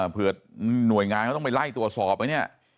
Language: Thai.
เผื่อหน่วยงานเขาต้องไปไล่ตัวสอบไว้เนี่ย